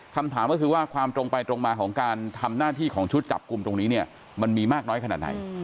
คำถามก็คือว่าความตรงไปตรงมาของการทำหน้าที่ของชุดจับกลุ่มตรงนี้เนี่ยมันมีมากน้อยขนาดไหน